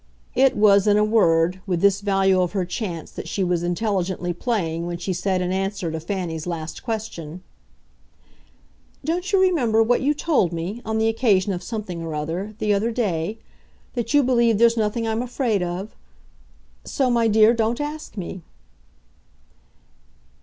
It was, in a word, with this value of her chance that she was intelligently playing when she said in answer to Fanny's last question: "Don't you remember what you told me, on the occasion of something or other, the other day? That you believe there's nothing I'm afraid of? So, my dear, don't ask me!"